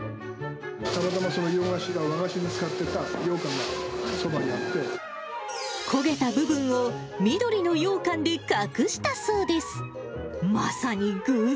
たまたま和菓子に使ってたよ焦げた部分を、緑のようかんで隠したそうです。